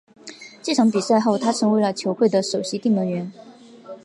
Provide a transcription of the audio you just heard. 这场比赛后他成为了球会的首席定门员。